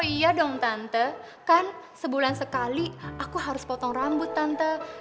iya dong tante kan sebulan sekali aku harus potong rambut tante